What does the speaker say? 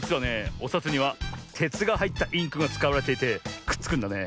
おさつにはてつがはいったインクがつかわれていてくっつくんだね。